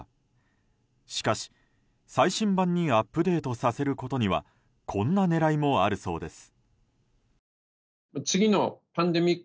しかし、最新版にアップデートさせることにはこんな狙いもあるそうです。